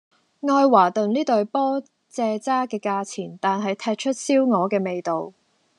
愛華頓呢隊波蔗渣嘅價錢,但係踢出燒鵝嘅味道